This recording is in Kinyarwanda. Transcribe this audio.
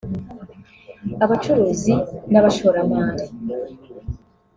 abacuruzi n’abashoramari